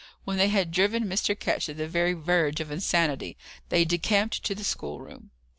When they had driven Mr. Ketch to the very verge of insanity, they decamped to the schoolroom.